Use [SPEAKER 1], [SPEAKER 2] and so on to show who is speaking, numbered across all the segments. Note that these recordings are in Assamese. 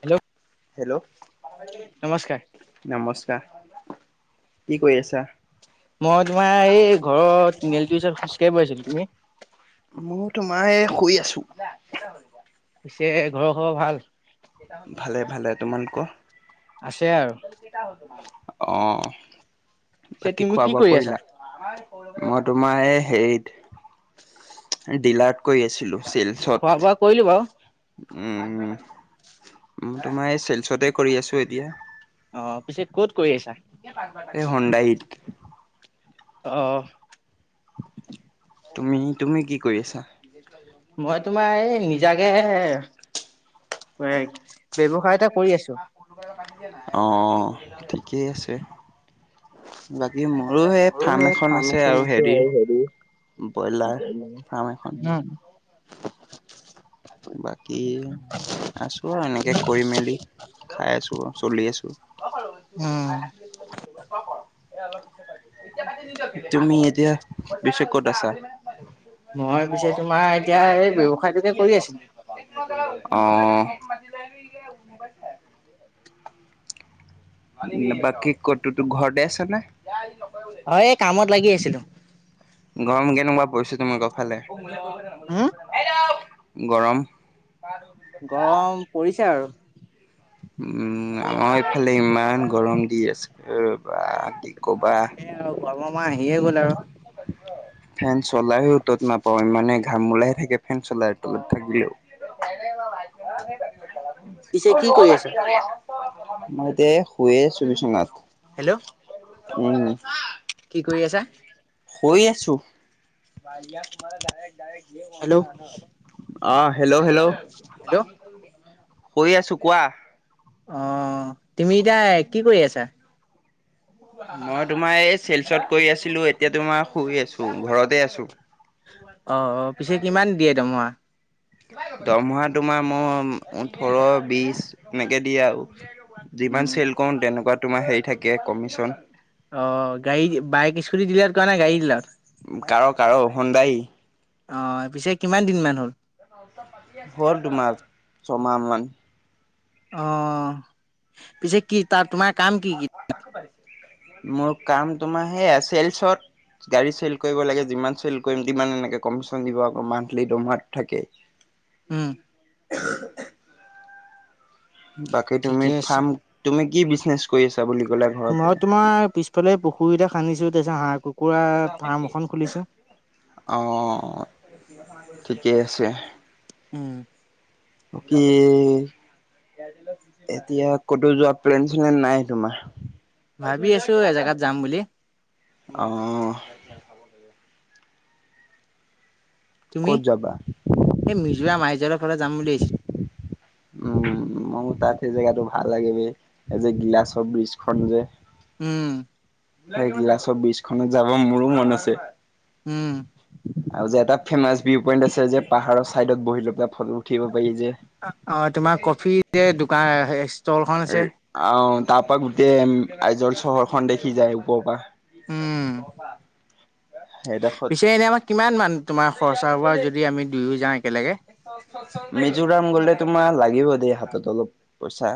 [SPEAKER 1] হেল্ল'!
[SPEAKER 2] হেল্ল'
[SPEAKER 1] নমস্কাৰ।
[SPEAKER 2] নমস্কাৰ কি কৰি আছা?
[SPEAKER 1] মই তোমাৰ এই ঘৰৰ তিনিআলিটোৰ ওচৰত খোজকাঢ়িব আইছিলো। তুমি?
[SPEAKER 2] মোৰ তোমাৰ এই শুই আছো।
[SPEAKER 1] পিছে ঘৰৰ খৱৰ ভাল?
[SPEAKER 2] ভালে, ভালে। তোমালোকহ?
[SPEAKER 1] আছে আৰু।
[SPEAKER 2] অ',
[SPEAKER 1] পিছে
[SPEAKER 2] বাকী
[SPEAKER 1] তুমি
[SPEAKER 2] খোৱা
[SPEAKER 1] কি
[SPEAKER 2] বোৱা
[SPEAKER 1] কৰি আছা
[SPEAKER 2] কৰিলা? মই তোমাৰ এই হেৰিত, এই ডিলাৰ্ত কয়ি আছিলোঁ, চেলছত
[SPEAKER 1] কয়িলো বাও।
[SPEAKER 2] উম, উ, তোমাৰ এই চেলচতে কৰি আছো এতিয়া।
[SPEAKER 1] অ', পিছে ক'ত কয়ি আছা?
[SPEAKER 2] এই হণ্ডাইত।
[SPEAKER 1] অ'।
[SPEAKER 2] তুমি, তুমি কি কয়ি আছা? [unintelligible]
[SPEAKER 1] মই তোমাৰ এই, নিজাকে এ, এ, বেৱসায় এটা কৰি আছো।
[SPEAKER 2] অ', ঠিকে আছে। বাকী মোৰো সেই ফাৰ্ম এখন আছে আৰু হেৰি। বয়লাৰ ফাৰ্ম এখন।
[SPEAKER 1] [inaudible]
[SPEAKER 2] বাকী আছো আৰু এনেকে কৰি মেলি, খাই আছো, চলি আছো।
[SPEAKER 1] উম
[SPEAKER 2] [unintelligible] তুমি এতিয়া পিছে ক'ত আছা?
[SPEAKER 1] মই পিছে তোমাৰ এতিয়া এই ব্যৱসায় টোকে কৰি আছিলো।
[SPEAKER 2] অ'। [unintelligible] [unintelligible] বাকী ক'তোতো ঘৰতে আছা নে?
[SPEAKER 1] হয়, এই কামত লাগি আছিলো।
[SPEAKER 2] গৰম কেনেকুৱা পৰিছে তোমালোকৰ ফালে?
[SPEAKER 1] হম
[SPEAKER 2] গৰম।
[SPEAKER 1] গৰম পৰিছে আৰু।
[SPEAKER 2] উমঁ, আমাৰ ইফালে ইমান গৰম দি আছে বাঃ কি কবা।
[SPEAKER 1] [unintelligible] গৰমৰ মাহ আহিয়ে গ'ল আৰু।
[SPEAKER 2] ফেন চলাইও ত'ত নাপাওঁ ইমানে ঘাম ওলাই থাকে। ফেন চলাই তলত থাকি [inaudible] [inaudible]
[SPEAKER 1] পিছে
[SPEAKER 2] অই
[SPEAKER 1] কি
[SPEAKER 2] ৰ বা
[SPEAKER 1] কৰি আছা
[SPEAKER 2] আছে। মই এতিয়া শুয়ে আছোঁ বিচনাত।
[SPEAKER 1] হেল্ল'।
[SPEAKER 2] উমঁ।
[SPEAKER 1] কি কৰি আছা?
[SPEAKER 2] শুই আছো।
[SPEAKER 1] হেল্ল'
[SPEAKER 2] অঁ', হেল্ল', -হেল্ল',
[SPEAKER 1] হেল্ল'
[SPEAKER 2] শুই আছো, কোৱা?
[SPEAKER 1] অঁ', তুমি এতিয়া কি কৰি আছা?
[SPEAKER 2] মই তোমাৰ এই শিলচৰত কৰি আছিলো, এতিয়া তোমাৰ শুই আছো ঘৰতে আছো।
[SPEAKER 1] অ', -অ', পিছে কিমান দিয়ে দৰমহা?
[SPEAKER 2] দৰমহা তোমাৰ মই ওঠৰ, বিশ, এনেকৈ দিয়ে আৰু।
[SPEAKER 1] উম
[SPEAKER 2] যিমান চেল কৰো তেনেকুৱা তোমাৰ কমিশ্যন থাকে।
[SPEAKER 1] অ', গাড়ী, বাইক স্কুটি ডিলাৰ কৰা নে গাড়ী ডিলাৰত?
[SPEAKER 2] কা'ৰ-কা'ৰ সুন্দাই।
[SPEAKER 1] অঁ', পিছে কিমান দিনমান হ'ল?
[SPEAKER 2] হ'ল দুমাহ, তোমাৰ ছমাহ মান।
[SPEAKER 1] অঁ', পিছে কি তা'ত তোমাৰ কাম কি কি?
[SPEAKER 2] মোৰ কাম তোমাৰ সেইয়া চেলচত- গাড়ী চেল কৰিব লাগে, যিমান চেল কৰিম মানে এনেকে কমিশন দিব আকৌ মান্থলি দৰমহা থাকে।
[SPEAKER 1] উম।
[SPEAKER 2] বাকী' তুমি
[SPEAKER 1] ঠিকে আছে।
[SPEAKER 2] ফাৰ্ম, তুমি কি বিজনেচ কৰিছা বুলি ক'লা ঘৰতে?
[SPEAKER 1] আমাৰ পিছফালে পুখুৰী এটা খান্দিছিল তাৰ পিছত হাঁহ-কুকুৰা ফাৰ্ম এখন খুলিছো।
[SPEAKER 2] অঁ', ঠিকেই আছে।
[SPEAKER 1] উম।
[SPEAKER 2] বাকী'- এতিয়া ক'তো যোৱা প্লেন-চলেন নাই তোমাৰ?
[SPEAKER 1] ভাবি আছো এজেগাত যাম বুলি।
[SPEAKER 2] অঁহ'।
[SPEAKER 1] তুমি?
[SPEAKER 2] ক'ত যাবা?
[SPEAKER 1] এই মিজোৰা আইজাৰা ফালে যাম বুলি ভাবিছোঁ।
[SPEAKER 2] উমঁ, মও তা'ত সেই জেগাটো ভাল লাগে বে, এই যে গিলাচৰ ব্ৰিজখন যে।
[SPEAKER 1] উমঁ।
[SPEAKER 2] সেই গিলাচৰ ব্ৰিজখনত যাব মোৰো মন আছে।
[SPEAKER 1] উমঁ।
[SPEAKER 2] আৰু যে এটা ফেৰ্মাচ ভিউ পইণ্ট আছে যে পাহাৰৰ চাইডত বহি লৈ পেলাই ফটো উঠিব পাৰি যে।
[SPEAKER 1] অঁ', তোমাৰ কফি যে দোকান ষ্টলখন আছে।
[SPEAKER 2] আঁহ', তাৰ পৰা গোটেই আইজল চহৰখন দেখি যায় ওপৰৰ পৰা।
[SPEAKER 1] উম
[SPEAKER 2] [unintelligible] সেইডোখৰত।
[SPEAKER 1] পিছে এনেই আমাৰ কিমান মান তোমাৰ খৰচা হব? যদি আমি দুয়ো যাওঁ একেলগে।
[SPEAKER 2] মিজোৰাম গলে তোমাৰ লাগিব দেই, হাতত অলপ পইচা।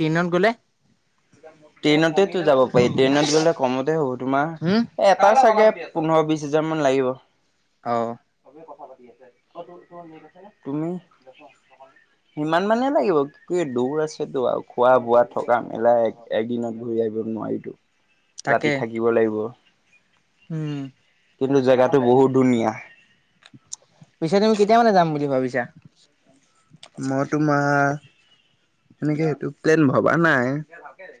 [SPEAKER 1] ট্ৰেইনত গ'লে?
[SPEAKER 2] ট্ৰেইনতেতো যাব পাৰি। ট্ৰেইনত গ'লে কমতে হ'ব তোমাৰ,
[SPEAKER 1] হম
[SPEAKER 2] এটা চাগে পোন্ধৰ বিশ হাজাৰ মান লাগিব।
[SPEAKER 1] অ।
[SPEAKER 2] খালি আছে, অ' তোৰ। তুমি?
[SPEAKER 1] [inaudible]
[SPEAKER 2] সিমান মানে লাগিব। কি দূৰ আছেতো। আৰু খোৱা বোৱা, থকা মেলা। একদিনত ঘূৰি আহিব নোৱাৰিটো।
[SPEAKER 1] [inaudible]
[SPEAKER 2] ৰাতি থাকিব লাগিব।
[SPEAKER 1] উম।
[SPEAKER 2] কিন্তু, জেগাটো বহুত ধুনীয়া।
[SPEAKER 1] পিছে, তুমি কেতিয়া মানে যাম বুলি ভাবিছা?
[SPEAKER 2] মই তোমাৰ, সেনেকে সেইটো প্লেন ভবা নাই,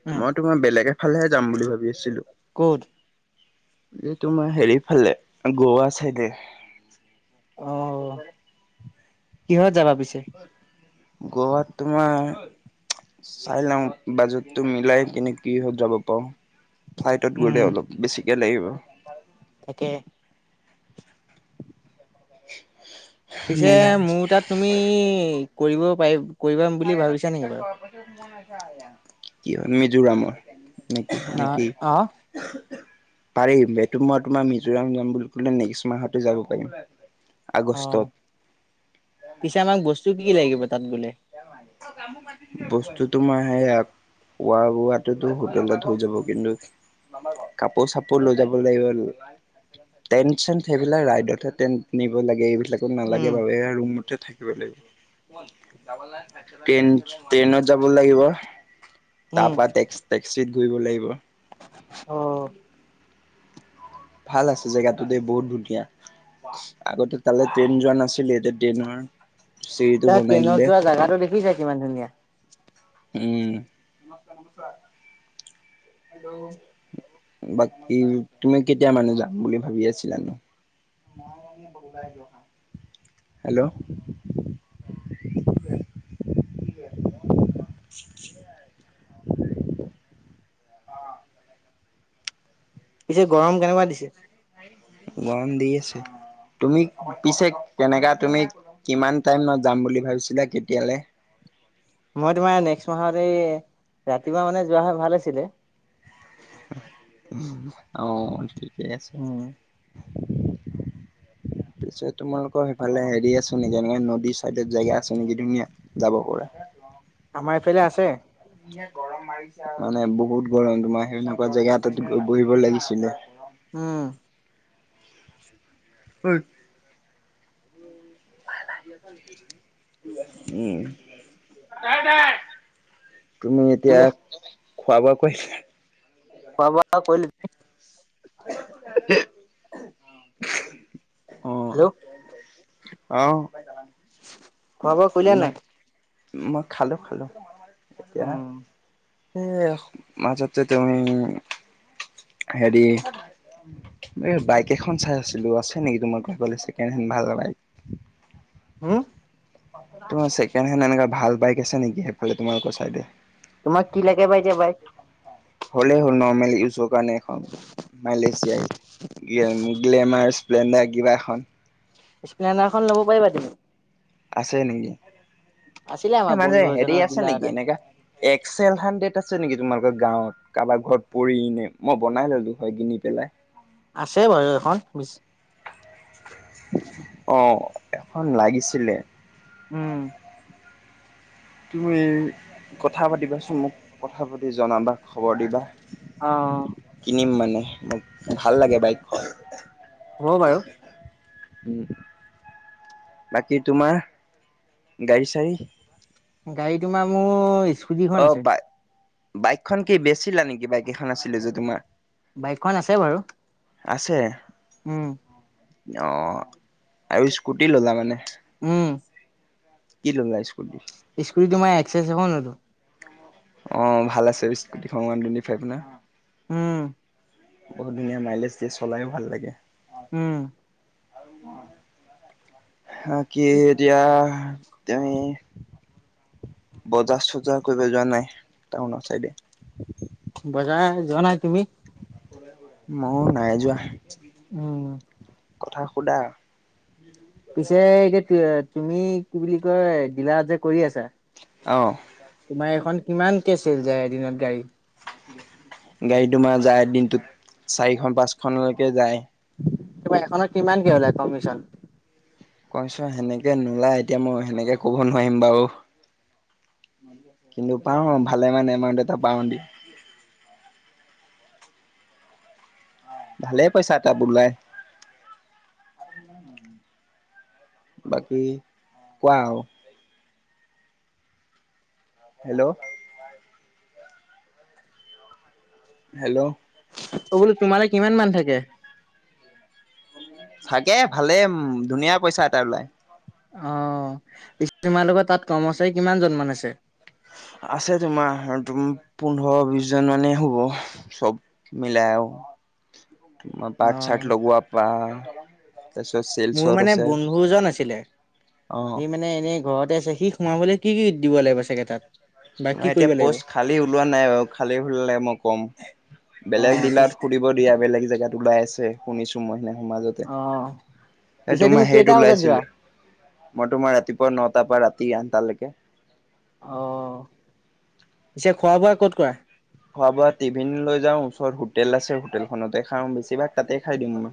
[SPEAKER 1] উম
[SPEAKER 2] মই তো মই বেলেগ এফালেহে যাম বুলি ভাবি আছিলোঁ।
[SPEAKER 1] ক'ত?
[SPEAKER 2] এই তোমাৰ হেৰি ফালে, গোৱা চাইডে।
[SPEAKER 1] অ' কিহত যাবা পিছে?
[SPEAKER 2] গোৱাত তোমাৰ চাই লওঁ, বাজেটটো মিলাই কেনে কিহত যাব পাৰোঁ। ফ্লাইটত গ'লে
[SPEAKER 1] উম
[SPEAKER 2] অলপ বেছিকে লাগিব।
[SPEAKER 1] তাকে। পিছে,
[SPEAKER 2] মিলাই
[SPEAKER 1] মোৰ তাত তুমি কৰিব পাৰি, কৰিবা বুলি ভাবিছা নেকি বাৰু?
[SPEAKER 2] কিয় মিজোৰামৰ নেকি
[SPEAKER 1] নহয়
[SPEAKER 2] নেকি?
[SPEAKER 1] [inaudible]
[SPEAKER 2] পাৰিম, এটো মই তোমাৰ মিজোৰাম যাম বুলি ক'লে, নেক্সট মাহতো যাব পাৰিম।
[SPEAKER 1] অ,
[SPEAKER 2] আগষ্টত
[SPEAKER 1] পিছে আমাক বস্তু কি কি লাগিব তাত গ'লে?
[SPEAKER 2] [unintelligible] বস্তু তোমাৰ সেইয়া, খোৱা-বোৱাটোতো হোটেলত হৈ যাব। কিন্তু, কাপোৰ, চাপোৰ লৈ যাব লাগিব। টেণ্ট, চেণ্ট সেইবিলাক ৰাইডতহে টেন্ট নিব লাগে, এইবিলাকত
[SPEAKER 1] উম
[SPEAKER 2] নালাগে বাৰু, এয়া ৰুমতে থাকিব লাগিব। ট্ৰেইন, ট্ৰেইনত যাব লাগিব।
[SPEAKER 1] উম
[SPEAKER 2] তাপা টেক্স টেক্সিত ঘূৰিব লাগিব।
[SPEAKER 1] অ'।
[SPEAKER 2] ভাল আছে জেগাটো দেই, বহুত ধুনীয়া। আগতে তালে ট্ৰেন যোৱা নাছিলে, এতিয়া ট্ৰেনৰ
[SPEAKER 1] তাৰ ট্ৰেইনত যোৱা জাগাটো দেখিছা? কিমান ধুনীয়া।
[SPEAKER 2] উম, নমস্কাৰ, নমস্কাৰ। বাকী, তুমি কেতিয়া মানে যাম বুলি ভাবি আছিলা নো?
[SPEAKER 1] [inaudible]
[SPEAKER 2] হেল্ল'?
[SPEAKER 1] পিছে, গৰম কেনেকুৱা দিছে?
[SPEAKER 2] গৰম দি আছে, তুমি পিছে কেনেকা তুমি, কিমান টাইমত যাম বুলি ভাবিছিলা, কেতিয়ালে?
[SPEAKER 1] মই তোমাৰ নেষ্ট মাহত, এই ৰাতিপুৱা মানে যোৱাহৈ ভাল আছিলে।
[SPEAKER 2] অ, ঠিকেই আছে।
[SPEAKER 1] উম। [inaudible]
[SPEAKER 2] পিছে, তোমালোকৰ সেইফালে হেৰি আছে নেকি? এনেকে নদীৰ চাইডত জেগা আছে নেকি, ধুনীয়া? যাব পৰা।
[SPEAKER 1] আমাৰ এইফালে আছে।
[SPEAKER 2] মানে বহুত গৰম তোমাৰ, সেনেকুৱা জেগা এটাত বহিব লাগিছিলে।
[SPEAKER 1] উম,
[SPEAKER 2] অই, উম, [unintelligible] তুমি এতিয়া, খোৱা-বোৱা কৰিছিলা?
[SPEAKER 1] খোৱা-বোৱা [inaudible]
[SPEAKER 2] [unintelligible] অ',
[SPEAKER 1] হেল্ল,
[SPEAKER 2] অ,
[SPEAKER 1] [inaudible] কৰিলা নাই?
[SPEAKER 2] মই খালোঁ খালোঁ, এতিয়া এই, মাজতজে তুমি, হেৰি এই, বাইক এখন চাই আছিলো, আছে নেকি তোমাৰ ঘৰফালে ছেকেড হেন্ড ভাল বাইক?
[SPEAKER 1] উম,
[SPEAKER 2] তোমাৰ ছেকেড হেণ্ড এনেকুৱা ভাল বাইক আছে নেকি, সেইফালে তোমালোকৰ চাইদে?
[SPEAKER 1] তোমাক কি লাগে বা এতিয়া বাইক?
[SPEAKER 2] হ'লেই হ'ল নৰ্মেল ইউজৰ কাৰণে এখন, মাইলেজ দিয়া জ্ঞাৰ গ্লেমাৰ, স্প্লেণ্ডাৰ কিবা এখন।
[SPEAKER 1] স্প্লেণ্ডাৰখন ল'ব পাৰিবা তুমি।
[SPEAKER 2] আছে নেকি,
[SPEAKER 1] আছিলে আমাৰ
[SPEAKER 2] এই মানে
[SPEAKER 1] বন্ধু
[SPEAKER 2] হেৰি
[SPEAKER 1] এজনৰ
[SPEAKER 2] আছে
[SPEAKER 1] ডিলাৰ
[SPEAKER 2] নেকি,
[SPEAKER 1] এটা।
[SPEAKER 2] এনেকা এক্স এল হান্দ্ৰেদ আছে নেকি, তোমালোকৰ গাঁৱত? কাৰোবাৰ ঘৰত পৰি এনে, মই বনাই ললোঁ হয় কিনি পেলাই।
[SPEAKER 1] আছে বাৰু এখন বে
[SPEAKER 2] অ, এখন লাগিছিলে।
[SPEAKER 1] উম,
[SPEAKER 2] তুমি কথা পাতিবাচোন মোক, কথা পাতি জনাবা। খবৰ দিবা,
[SPEAKER 1] অ',
[SPEAKER 2] কিনিম মানে মোক ভাল লাগে বাইক খ [inaudible]
[SPEAKER 1] হ'ব বাৰু।
[SPEAKER 2] উম, বাকী তোমাৰ গাড়ী-চড়ী?
[SPEAKER 1] গাড়ী তোমাৰ মোৰ, ই
[SPEAKER 2] অ, বাই-বাইকখন কি বেচিলা নেকি? বাইক এখন আছিলে যে তোমাৰ?
[SPEAKER 1] বাইকখন আছে বাৰু।
[SPEAKER 2] আছে।
[SPEAKER 1] উম,
[SPEAKER 2] অ, আৰু ইস্কুটি ল'লা মানে।
[SPEAKER 1] উম,
[SPEAKER 2] কি ল'লা ইস্কুটি?
[SPEAKER 1] স্কুটি তোমাৰ এক্সেছ এখন ললোঁ।
[SPEAKER 2] অঁ ভাল আছে স্কুটিখন ওৱান টোৱেন্তি ফাইভ না।
[SPEAKER 1] উম।
[SPEAKER 2] বহুত ধুনীয়া মাইলেজ দিয়ে চলাইও ভাল লাগে।
[SPEAKER 1] উম।
[SPEAKER 2] কি এতিয়া তুমি বজাৰ চজাৰ কৰিব যোৱা নাই, টাউনৰ চাইডে?
[SPEAKER 1] বজাৰ যোৱা নাই তুমি?
[SPEAKER 2] মইও নাই যোৱা।
[SPEAKER 1] উম।
[SPEAKER 2] কথা সুধা।
[SPEAKER 1] পিছে এতিয়া তুমি কি বুলি কয় দিলাৰত যে কৰি আছা।
[SPEAKER 2] অঁ।
[SPEAKER 1] তোমাৰ এইখন কিমান কে চেল যায় এদিনত গাড়ী?
[SPEAKER 2] গাড়ী তোমাৰ যায় দিনটোত চাৰিখন পাঁচখনলৈকে যায়।
[SPEAKER 1] তোমাৰ এখনত কিমান কে ওলাই কমিচন?
[SPEAKER 2] কমিছন সেনেকে নোলায় এতিয়া মই সেনেকে ক'ব নোৱাৰিম বাৰু কিন্তু পাওঁ ভালে মানে এমাউণ্ট এটা পাওঁ দিয়া ভালেই পইচা এটা ওলাই বাকী কোৱা আৰু হেল্ল' হেল্ল'
[SPEAKER 1] অ বোলো তোমালে কিমান মান থাকে
[SPEAKER 2] থাকে ভালে উম ধুনীয়া পইচা এটা ওলাই
[SPEAKER 1] অ তোমালোকৰ তাত কৰ্মচাৰী কিমান জন মান আছে
[SPEAKER 2] আছে তোমাৰ তোম পোন্ধৰ বিশ জন মানেই হব মিলাইয়ো মই
[SPEAKER 1] অ',
[SPEAKER 2] পাৰ্ট-চাৰ্ট লগোৱা পা ত চত চে
[SPEAKER 1] মোৰ মানে বন্ধু এজন আছিলে।
[SPEAKER 2] অ
[SPEAKER 1] সি মানে এনেই ঘৰতে আছে সি সোমাবলৈ কি কি দিব লাগিব চাগে তাত বা কি
[SPEAKER 2] তোমাৰ এতিয়া
[SPEAKER 1] কৰিব লাগিব?
[SPEAKER 2] পষ্ট খালী ওলোৱা নাই বাৰু খালী হলে মই কম বেলেগ
[SPEAKER 1] অ',
[SPEAKER 2] দিলাত
[SPEAKER 1] পিছে
[SPEAKER 2] সুধিব দিয়া বেলেগ জেগাত ওলাই আছে শুনিছো মই সেইদিনা সমাজত তে
[SPEAKER 1] অ',
[SPEAKER 2] এই
[SPEAKER 1] পিছে তুমি
[SPEAKER 2] তোমাৰ
[SPEAKER 1] কেইটা
[SPEAKER 2] হেইত
[SPEAKER 1] বজাত যোৱা?
[SPEAKER 2] ওলাইছিলে মই তোমাৰ ৰাতিপুৱা ন-টাৰ পৰা ৰাতি আঠ-টালৈকে
[SPEAKER 1] অ পিছে খোৱা-বোৱা ক'ত কৰা
[SPEAKER 2] খোৱা-বোৱা টিফিন লৈ যাওঁ ওচৰত হোটেল আছে হোটেলখনতে খাওঁ বেছিভাগ তাতে খাই দিও মই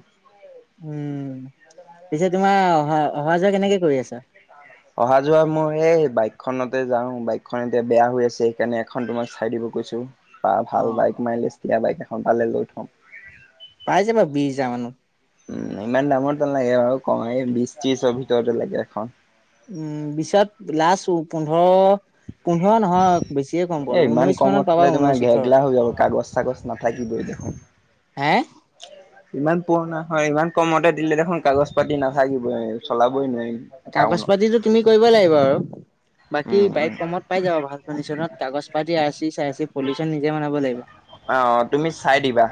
[SPEAKER 1] উম পিছে তোমাৰ অহা অহা-যোৱা কেনেকে কৰি আছা
[SPEAKER 2] অহা-যোৱা মই এই বাইকখনতে যাওঁ বাইকখন এতিয়া বেয়া হৈ আছে সেইকাৰণে এখন তোমাক চাই দিব কৈছোঁ বা ভাল বাইক মাইলেজ দিয়া বাইক এখন পালে লৈ থম
[SPEAKER 1] পাই যাবা বিশ হাজাৰ মানত
[SPEAKER 2] উ ইমান দামত নালাগে বাৰু কমেও বিশ-ত্ৰিছৰ ভিতৰতে লাগে এখন
[SPEAKER 1] উম বিশত লাষ্ট উ পোন্ধৰ পোন্ধৰ নহয় বেছিয়ে কম
[SPEAKER 2] এ
[SPEAKER 1] কলো
[SPEAKER 2] ইমান
[SPEAKER 1] ঊনৈশ মানত পাবা ঊনৈশ ওঠৰ
[SPEAKER 2] কাগছ নাথাকিবই দেখোঁন
[SPEAKER 1] হে
[SPEAKER 2] ইমান পুৰণা হয়, ইমান কমতে দিলে দেখোন কাগজ পাতি নাথাকিবই চলাবই নোৱাৰিম।
[SPEAKER 1] কাগজ
[SPEAKER 2] টাউনত
[SPEAKER 1] পাতিতো তুমি কৰিব লাগিব আৰু, বাকী
[SPEAKER 2] উম, উম
[SPEAKER 1] বাইক কমত পাই যাবা ভাল কণ্ডিশচনত, কাগজ পাতি আৰ চি চাৰচি পলিউচন নিজে বনাব লাগিব।
[SPEAKER 2] অঁ, তুমি চাই দিবা।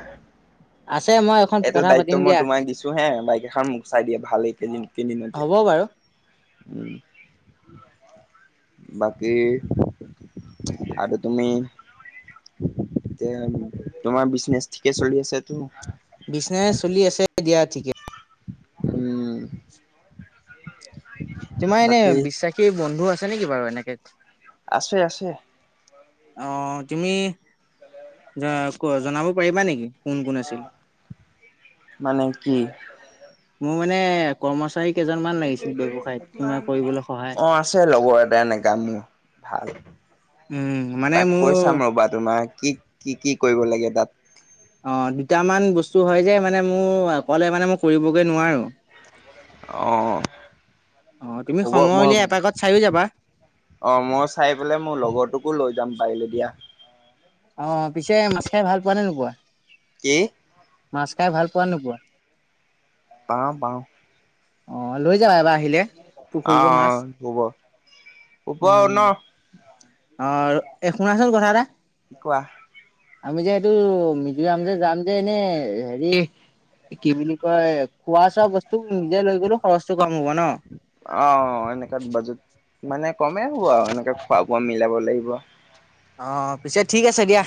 [SPEAKER 1] আছে মই এখন
[SPEAKER 2] এইটো
[SPEAKER 1] কথা
[SPEAKER 2] দায়িত্ব
[SPEAKER 1] পাতিম
[SPEAKER 2] মই
[SPEAKER 1] দিয়া,
[SPEAKER 2] তোমাক দিছো হে, বাইক এখন মোক চাই দিয়া ভাল এইকেইদিন কেইদিনতে।
[SPEAKER 1] হ'ব বাৰু।
[SPEAKER 2] উম, বাকী আৰু তুমি এতিয়া তোমাৰ বিজনেচ ঠিকে চলি আছে তো?
[SPEAKER 1] বিজনেচ চলি আছে দিয়া ঠিকে।
[SPEAKER 2] উম।
[SPEAKER 1] তোমাৰ এনেই
[SPEAKER 2] বাকী
[SPEAKER 1] বিশ্বাসী বন্ধু আছে নেকি বাৰু এনেকে?
[SPEAKER 2] আছে আছে।
[SPEAKER 1] অঁ তুমি জ জনাব পাৰিবা নেকি কোন কোন আছিল?
[SPEAKER 2] মানে কি
[SPEAKER 1] মোৰ মানে কৰ্ম চাৰী কেইজনমান লাগিছিল ব্যৱসায়ত তোমাৰ কৰিবলে সহায়।
[SPEAKER 2] অ', আছে লগৰ এটা এনেকা মোৰ ভাল।
[SPEAKER 1] উম, মানে
[SPEAKER 2] তাক কৈ
[SPEAKER 1] মোৰ
[SPEAKER 2] চাম ৰবা তোমাৰ কি কি কি কৰিব লাগে তাত?
[SPEAKER 1] অঁ দুটামান বস্তু হয় যে মানে মোৰ অকলে মানে মই কৰিবগে নোৱাৰো।
[SPEAKER 2] অ'।
[SPEAKER 1] অঁ তুমি
[SPEAKER 2] হ'ব
[SPEAKER 1] সময় উলিয়াই এপাকত চাইয়ো যাবা।
[SPEAKER 2] অঁ মই চাই পেলাই মোৰ লগৰটোকো লৈ যাম পাৰিলে দিয়া।
[SPEAKER 1] অঁ পিছে মাছ খাই ভাল পোৱা নে নোপোৱা?
[SPEAKER 2] কি?
[SPEAKER 1] মাছ খাই ভাল পোৱা নোপোৱা?
[SPEAKER 2] পাওঁ পাওঁ।
[SPEAKER 1] অঁ লৈ যাবা এবাৰ আহিলে পুখুৰীৰ পৰা মাছ,
[SPEAKER 2] অ', হ'ব হ'ব
[SPEAKER 1] উম।
[SPEAKER 2] ন
[SPEAKER 1] অঁ, এই শুনাচোন কথা এটা।
[SPEAKER 2] কোৱা?
[SPEAKER 1] আমি যে এইটো মিজোৰাম যে যাম যে এনেই হেৰি কি বুলি কয় খোৱা চোৱা বস্তু নিজে লৈ গলেও খৰচটো কম হ'ব ন।
[SPEAKER 2] অঁ, এনেকাত বাজেত মানে কমেই হব আৰু এনেকা খোৱা বোৱা মিলাব লাগিব।
[SPEAKER 1] অঁ পিছে ঠিক আছে দিয়া।